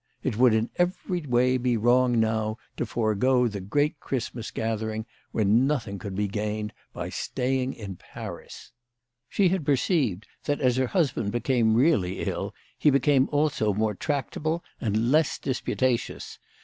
It would in every way be wrong now to forego the great Christmas gathering when nothing could be gained by staying in Paris. She had perceived that as her husband became really ill he became also more tractable and less disputatious.